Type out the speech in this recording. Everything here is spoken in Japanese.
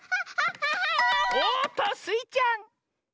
おっとスイちゃん！